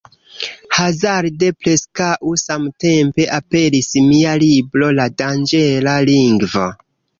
Hazarde, preskaŭ samtempe aperis mia libro La danĝera lingvo.